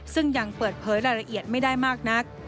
ซึ่งยังเปิดเผยรายละเอียดไม่ได้มากนัก